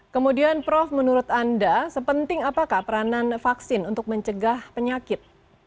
kemudian prof menurut anda sepenting apakah peranan vaksin untuk mencegah penyakit